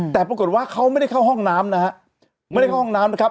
แต่ปรากฏว่าเขาไม่ได้เข้าห้องน้ำนะฮะไม่ได้เข้าห้องน้ำนะครับ